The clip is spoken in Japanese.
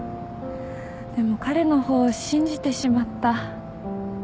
でも彼の方を信じてしまった。